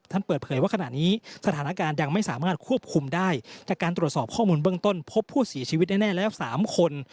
เปิดเผยว่าขณะนี้สถานการณ์ยังไม่สามารถควบคุมได้จากการตรวจสอบข้อมูลเบื้องต้นพบผู้เสียชีวิตแน่แล้ว๓คน